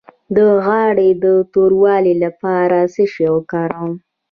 د غاړې د توروالي لپاره څه شی وکاروم؟